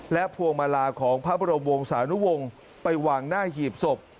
และพวงมาลาของพระบรมวงศานุวงศ์ไปวางหน้าหีบศพ